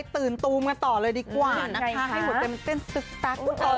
ตื่นตูมกันต่อเลยดีกว่านะคะให้หัวเต้มเต้นซึกซัก